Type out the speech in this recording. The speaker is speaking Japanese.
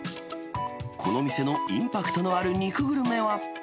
この店のインパクトのある肉グルメは。